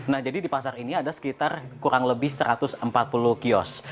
nah jadi di pasar ini ada sekitar kurang lebih satu ratus empat puluh kios